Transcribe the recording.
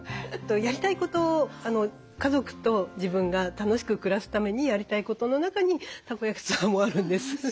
やりたいこと家族と自分が楽しく暮らすためにやりたいことの中にたこやきツアーもあるんです。